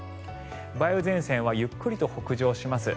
梅雨前線はゆっくりと北上します。